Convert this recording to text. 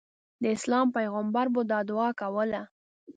د اسلام پیغمبر به دا دعا کوله.